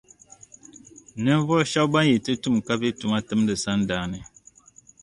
Ni ninvuɣu shεba ban yi ti tum kavi tuma timdi sadaani.